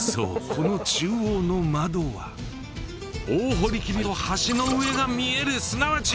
この中央の窓は大堀切の橋の上が見えるすなわち！